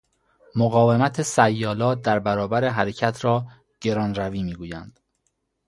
مقاومت سیالات در برابر حرکت را گرانروی میگویند.